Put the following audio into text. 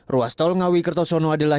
ruas tol ngawi kertosono adalah